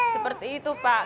seperti itu pak